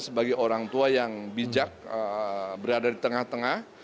sebagai orang tua yang bijak berada di tengah tengah